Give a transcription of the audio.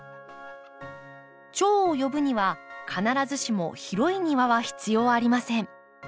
チョウを呼ぶには必ずしも広い庭は必要ありません。